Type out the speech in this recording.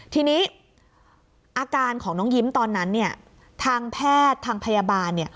ทีนี้อาการของน้องยิ้มตอนนั้นเนี่ยทางแพทย์ทางพยาบาล